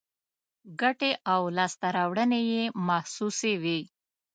ګټې او لاسته راوړنې یې محسوسې وي.